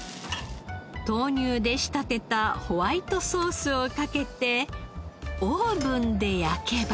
豆乳で仕立てたホワイトソースをかけてオーブンで焼けば。